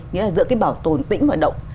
nghĩa là giữa cái bảo tồn tĩnh và động